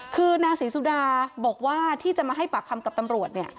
คือนางศรีสุดาบอกว่าที่จะมาให้ปากคำกับตำรวจ